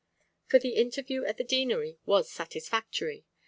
For the interview at the Deanery was satisfactory.